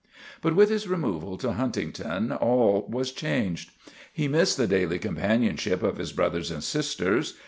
But with his removal to Huntington, all was changed. He missed the daily companionship of his brothers and sisters.